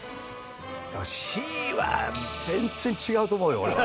でもＣは全然違うと思うよ俺は。